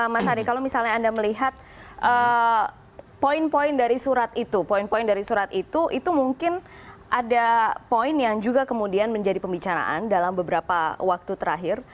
mas ari kalau misalnya anda melihat poin poin dari surat itu poin poin dari surat itu itu mungkin ada poin yang juga kemudian menjadi pembicaraan dalam beberapa waktu terakhir